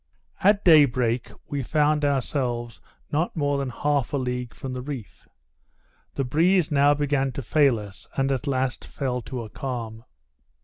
At day break we found ourselves not more than half a league from the reef. The breeze now began to fail us, and at last fell to a calm.